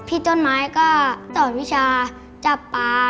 ต้นไม้ก็สอนวิชาจับปลา